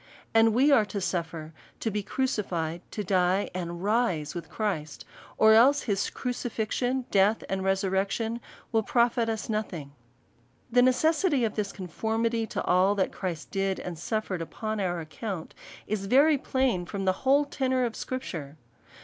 And we are to suffer, to be crucified, to die, and rise with Christ ; or else his crucifixion^ death, and resurrection, will profit us nothing . The necessity of this conformity to all that Christ did, and suffered upon our account, is very plain from the whole tenor of Scripture.